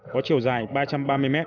có chiều dài ba trăm ba mươi m